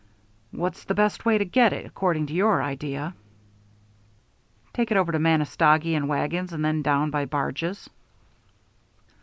"What's the best way to get it, according to your idea?" "Take it over to Manistogee in wagons and then down by barges."